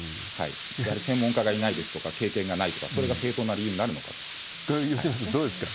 やはり専門家がいないですとか、経験がないとか、これ、吉村さん、どうですか？